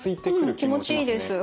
気持ちいいです